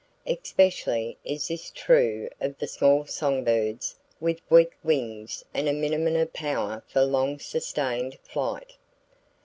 Especially is this true of the small song birds with weak wings and a minimum of power for long sustained flight.